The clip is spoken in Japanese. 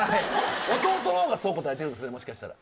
弟のほうがそう答えてるんですかね？